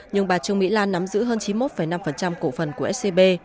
nhưng bà trương mỹ lan nắm giữ hơn chín mươi một năm cổ phần của scb